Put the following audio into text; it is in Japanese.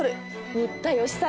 新田義貞。